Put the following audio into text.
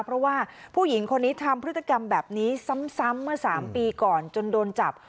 เพราะว่าผู้หญิงคนนี้ทำพฤติกรรมแบบนี้ซ้ำเมื่อ๓ปีก่อนจนโดนจับ